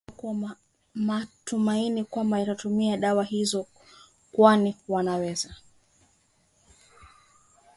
Chan amesema kuna matumaini kwa wanaotumia dawa hizo kwani wanaweza